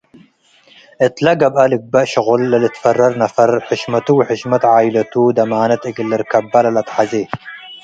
እት ለገብአ ሽቅል ለልትፈረር ነፈር ሕሽመቱ ወሕሽመት ዓኢለቱ ደማነት እግል ልርከበ፡ ለለአትሐዜ